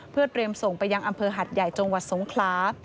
เพื่อเตรียมส่งไปยังอำเภอหัดใหญ่จังหวัดสงคลา